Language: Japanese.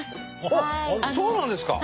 あっそうなんですか！